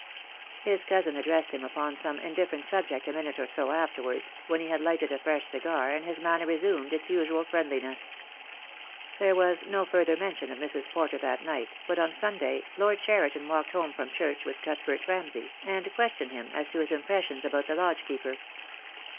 His cousin addressed him upon some indifferent sub ject a minute or so afterwards, when he had lighted a fresh cigar, and his manner resumed its usual friendliness. There was no further mention of Mrs. Porter that night, but on Sunday Lord Cheriton walked home from church with Cuthbert Ramsay, and questioned him as to his im pressions about the lodge keeper.